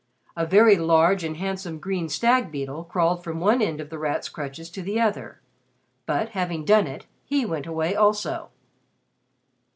A very large and handsome green stag beetle crawled from one end of The Rat's crutches to the other, but, having done it, he went away also.